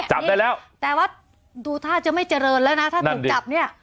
จับได้แล้วแต่ว่าดูท่าจะไม่เจริญแล้วนะถ้าถูกจับเนี่ย